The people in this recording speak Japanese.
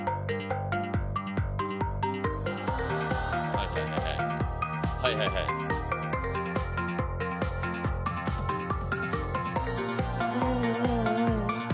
はいはいはいはいはいはいはいうんうんうん